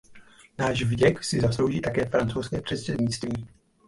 Náš vděk si zaslouží také francouzské předsednictví.